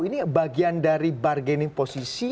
ini bagian dari bargaining posisi